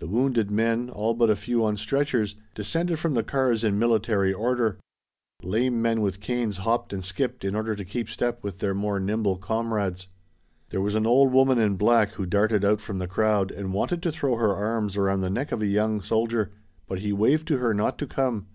The wounded men, all but a few on stretchers, descended from the cars in military order. Lame men with canes hopped and skipped in order to keep step with their more nimble comrades. There was an old woman in black who darted out from the crowd and wanted to throw her arms around the neck of a young soldier, but he waved to her not to come.